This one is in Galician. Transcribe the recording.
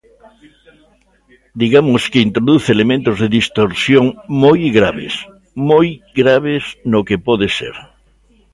Digamos que introduce elementos de distorsión moi graves, moi graves no que pode ser.